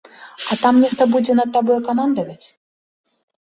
А там нехта будзе над табою камандаваць?